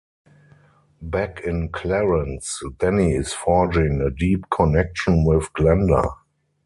Back in Clarence, Danny is forging a deep connection with Glenda.